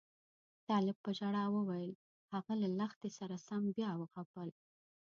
طالب په ژړا وویل هغه له لښتې سره سم بیا وغپل.